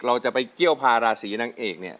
เราจะไปเกี้ยวพาราศีนางเอกเนี่ย